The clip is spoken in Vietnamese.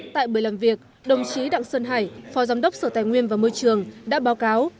tại buổi làm việc đồng chí đặng sơn hải phó giám đốc sở tài nguyên và môi trường đã báo cáo